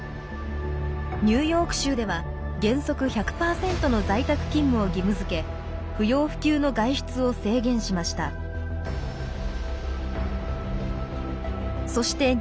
ニューヨーク州では原則１００％の在宅勤務を義務づけ不要不急の外出を制限しました。